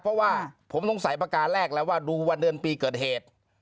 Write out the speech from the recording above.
เพราะว่าผมสงสัยประการแรกแล้วว่าดูวันเดือนปีเกิดเหตุ